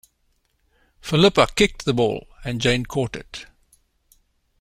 Philippa kicked the ball, and Jane caught it.